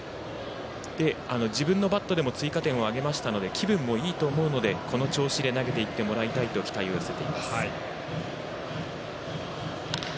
自分のバットでも追加点を挙げましたので気分もいいと思うのでこの調子で投げていってもらいたいと期待を寄せています。